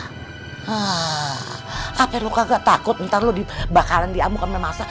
hah apa lo kagak takut ntar lo dibakaran di amukan memasak